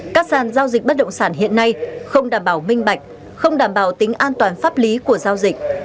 các sàn giao dịch bất động sản hiện nay không đảm bảo minh bạch không đảm bảo tính an toàn pháp lý của giao dịch